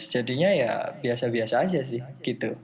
jadinya ya biasa biasa aja sih gitu